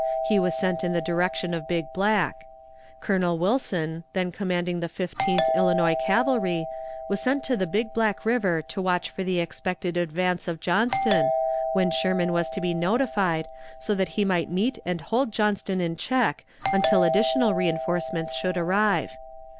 He was sent in the direction of Big Black. Colonel Wilson, then commanding the Fifteenth Illinois Cavalry, was sent to the Big Black River to watch for the expected advance of Johnston, when Sherman was to be notified, so that he might meet and hold Johnston in check until additional reënforcements should arrive.